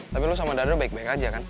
tapi lo sama dara baik baik aja kan